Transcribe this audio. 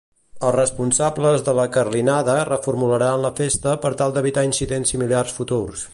Els responsables de la Carlinada reformularan la festa per tal d'evitar incidents similars futurs.